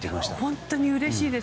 本当にうれしいです。